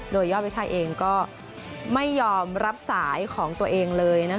โดยยอดวิชัยเองก็ไม่ยอมรับสายของตัวเองเลย